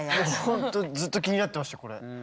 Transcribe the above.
ほんとずっと気になってましたこれ。